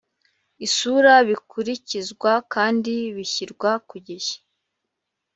isura bikurikizwa kandi bishyirwa ku gihe